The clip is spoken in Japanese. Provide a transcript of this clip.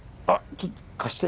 ちょっと貸して。